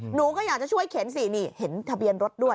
หนูก็อยากจะช่วยเข็นสินี่เห็นทะเบียนรถด้วย